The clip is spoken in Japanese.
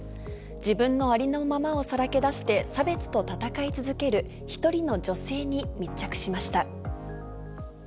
自分のありのままをさらけ出して、差別と闘い続ける、１人の女性に密着しました。